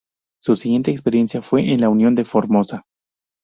Su siguiente experiencia fue en La Unión de Formosa.